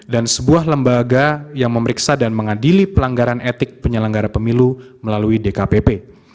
dan sebuah lembaga yang memeriksa dan mengadili pelanggaran etik penyelenggara pemilu melalui dkpp